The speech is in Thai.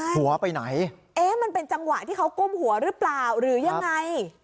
หัวไปไหนเอ๊ะมันเป็นจังหวะที่เขาก้มหัวหรือเปล่าหรือยังไง